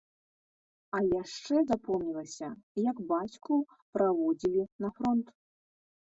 А яшчэ запомнілася, як бацьку праводзілі на фронт.